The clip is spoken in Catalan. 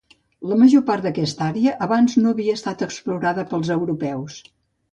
La major part d'aquesta àrea abans no havia estat explorada pels europeus.